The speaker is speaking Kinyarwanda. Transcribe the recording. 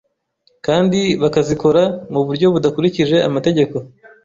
kandi bakazikora mu buryo budakurikije amategeko